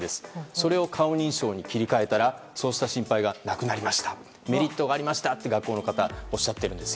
それを顔認証に切り替えたらそういう心配がなくなってメリットがありましたと学校の方がおっしゃっているんです。